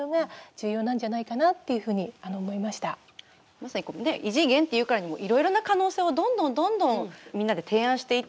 まさに異次元って言うからにはいろいろな可能性をどんどんどんどんみんなで提案していって。